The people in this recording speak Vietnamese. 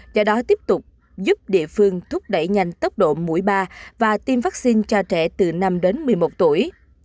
do đó tiếp tục giúp địa phương thúc đẩy nhanh tốc độ mũi ba và tiêm vaccine cho trẻ từ năm đến một mươi một tuổi